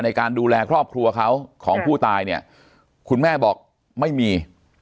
ในการดูแลครอบครัวเขาของผู้ตายเนี่ยคุณแม่บอกไม่มี